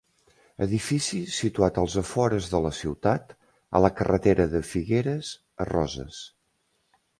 Edifici situat als afores de la ciutat, a la carretera de Figueres a Roses.